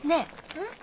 うん？